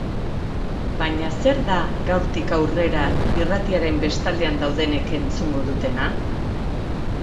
Baina zer da, gaurtik aurrera, irratiaren bestaldean daudenek entzungo dutena?